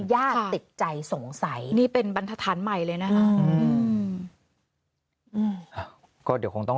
ยากติดใจสงสัยนี่เป็นบันทฐานใหม่เลยนะก็เดี๋ยวคงต้อง